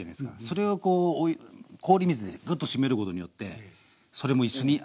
それを氷水でグッとしめることによってそれも一緒に味わえる。